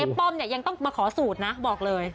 ป้อมเนี่ยยังต้องมาขอสูตรนะบอกเลย